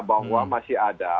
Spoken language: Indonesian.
bahwa masih ada